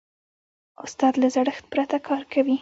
استاد له زړښت پرته کار کوي.